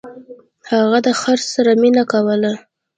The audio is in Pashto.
هغه د خر سره مینه کوله.